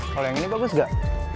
kalau yang ini bagus gak